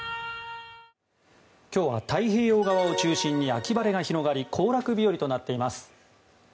今日は太平洋側を中心に秋晴れとなり行楽日和となっています。